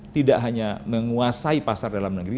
tidak hanya menguasai pasar dalam negeri